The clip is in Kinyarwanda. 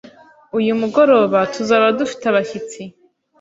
Uyu mugoroba tuzaba dufite abashyitsi.